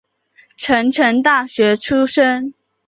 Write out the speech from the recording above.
成城大学出身。